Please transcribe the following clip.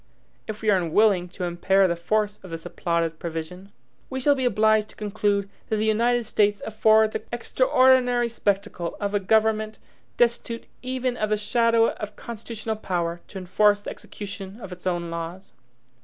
If we are unwilling to impair the force of this applauded provision, we shall be obliged to conclude, that the United States afford the extraordinary spectacle of a government destitute even of the shadow of constitutional power to enforce the execution of its own laws.